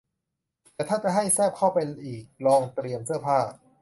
แต่ถ้าจะให้แซ่บเข้าไปอีกลองเตรียมเสื้อผ้า